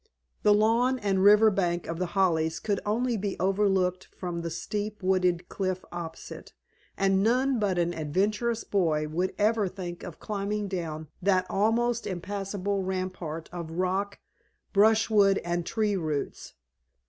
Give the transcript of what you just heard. The lawn and river bank of The Hollies could only be overlooked from the steep wooded cliff opposite, and none but an adventurous boy would ever think of climbing down that almost impassable rampart of rock, brushwood, and tree roots.